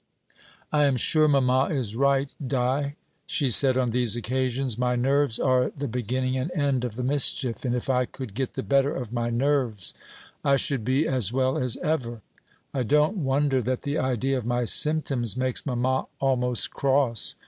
"I am sure mamma is right, Di," she said on these occasions. "My nerves are the beginning and end of the mischief; and if I could get the better of my nerves, I should be as well as ever. I don't wonder that the idea of my symptoms makes mamma almost cross.